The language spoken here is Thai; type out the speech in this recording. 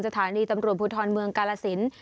สถานีตำรวจภูทรเมืองกาลสิน